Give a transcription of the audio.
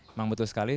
memang betul sekali